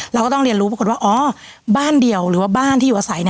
เราก็ต้องเรียนรู้ปรากฏว่าอ๋อบ้านเดียวหรือว่าบ้านที่อยู่อาศัย